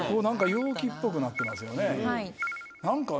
容器っぽくなってますよね。